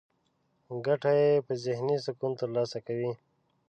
ګټه يې په ذهني سکون ترلاسه کوي.